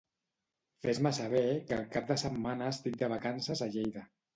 Fes-me saber que el cap de setmana estic de vacances a Lleida.